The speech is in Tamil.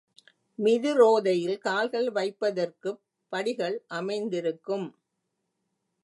மிதி ரோதையில் கால்கள் வைப்பதற்குப் படிகள் அமைந்திருக்கும்.